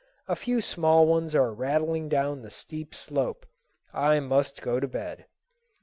A few small ones are rattling down the steep slope. I must go to bed.